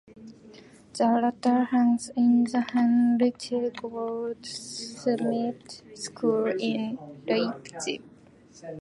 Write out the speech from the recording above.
The latter hangs in the Henriette Goldschmied School in Leipzig.